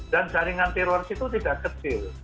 dan jaringan teror itu tidak kecil